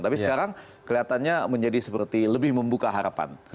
tapi sekarang kelihatannya menjadi seperti lebih membuka harapan